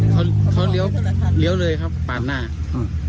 เขาเขาเลี้ยวเลี้ยวเลยครับปาดหน้าอืม